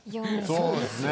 そうですね。